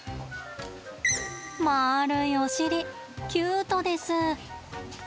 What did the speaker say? まるいお尻、キュートです。